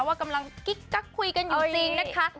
ว่ากำลังกิ๊กกักคุยกันอยู่จริงนะคะ